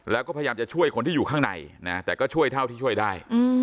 แล้วก็พยายามจะช่วยคนที่อยู่ข้างในนะแต่ก็ช่วยเท่าที่ช่วยได้